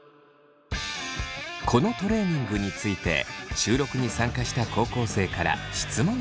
このトレーニングについて収録に参加した高校生から質問が。